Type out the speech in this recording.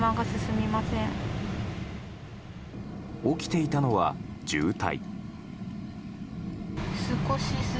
起きていたのは、渋滞。